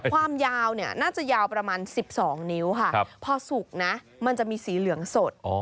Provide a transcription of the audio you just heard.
ความยาวเนี่ยน่าจะยาวประมาณ๑๒นิ้วค่ะพอสุกนะมันจะมีสีเหลืองสด